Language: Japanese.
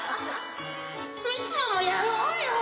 ミツバもやろうよ